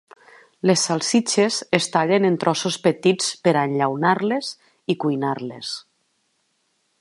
Les salsitxes es tallen en trossos petits per a enllaunar-les i cuinar-les.